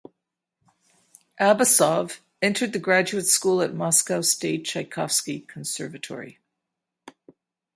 Abbasov entered the graduate school at Moscow State Tchaikovsky Conservatory.